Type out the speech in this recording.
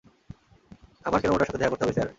আমার কেন উনার সাথে দেখা করতে হবে, স্যার?